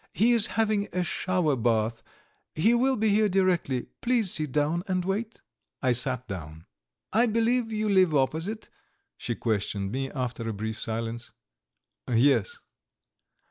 "He is having a shower bath; he will be here directly. Please sit down and wait." I sat down. "I believe you live opposite?" she questioned me, after a brief silence. "Yes."